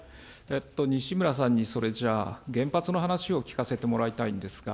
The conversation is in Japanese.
西村さんに、それじゃ、原発の話を聞かせてもらいたいんですが。